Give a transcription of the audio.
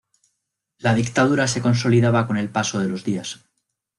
La dictadura se consolidaba con el paso de los días.